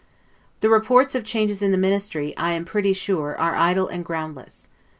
The reports of changes in the Ministry, I am pretty sure, are idle and groundless.